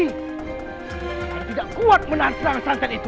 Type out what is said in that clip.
dan tidak kuat menahan serangan santan itu